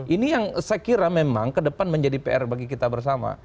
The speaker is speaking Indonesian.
ini yang saya kira memang kedepan menjadi pr bagi kita bersama